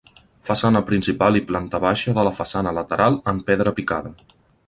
Façana principal i planta baixa de la façana lateral en pedra picada.